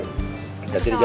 aku sama pak esal jalan dulu ya